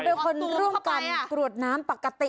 เป็นคนร่วมกันกรวดน้ำปกติ